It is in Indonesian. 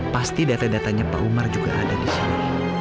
pasti data datanya pak umar juga ada di sini